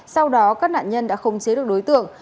sau đó các nạn nhân đã không chế được đối tượng